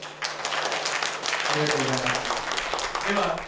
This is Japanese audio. ありがとうございます。